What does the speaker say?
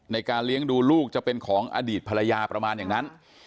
ในการเลี้ยงดูลูกจะเป็นของอดีตภรรยาประมาณอย่างนั้น